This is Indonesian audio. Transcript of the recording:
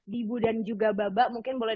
bibu dan juga babak mungkin boleh